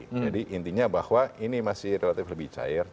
jadi intinya bahwa ini masih relatif lebih cair